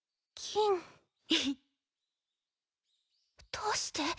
どうして？